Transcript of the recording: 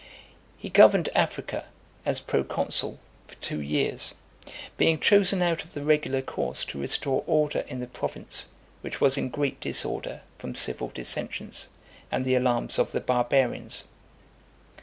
He governed Africa, as pro consul, for two years; being chosen out of the regular course to restore order in the province, which was in great disorder from civil dissensions, and the alarms of the barbarians.